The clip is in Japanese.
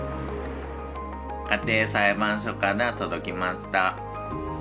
家庭裁判所から届きました。